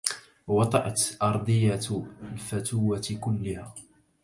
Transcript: ووطئت أردية الفتوة كلها